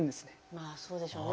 まあそうでしょうね。